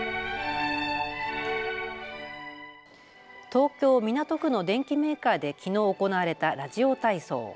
東京港区の電機メーカーできのう行われたラジオ体操。